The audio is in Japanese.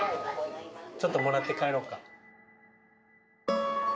ちょっともらって帰ろうか。